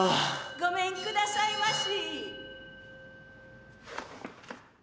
ごめんくださいまし。